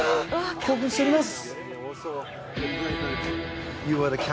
興奮しております。